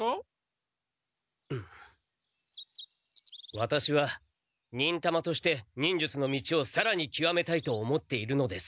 ワタシは忍たまとして忍術の道をさらにきわめたいと思っているのです。